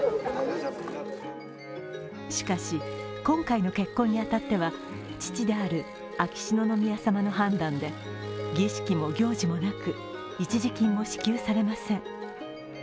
しかし、今回の結婚に当たっては父である秋篠宮さまの判断で儀式も行事もなく一時金も支給されません。